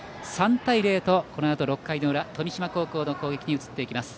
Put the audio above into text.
３対０と、このあと６回の裏富島高校の攻撃に移っていきます。